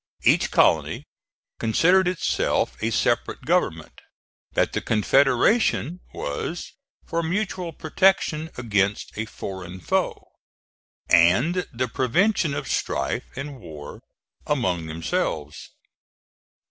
Each colony considered itself a separate government; that the confederation was for mutual protection against a foreign foe, and the prevention of strife and war among themselves.